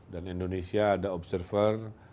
dan indonesia ada observer